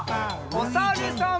おさるさん。